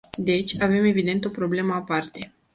Deci, avem evident o problemă aparte.